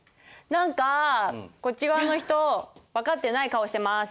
何かこっち側の人分かってない顔してます。